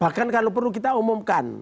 bahkan kalau perlu kita umumkan